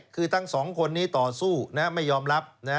คือทั้งสองคนนี้ต่อสู้ไม่ยอมรับ